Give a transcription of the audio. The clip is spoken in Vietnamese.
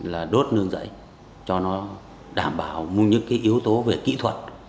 là đốt rừng rẫy cho nó đảm bảo những yếu tố về kỹ thuật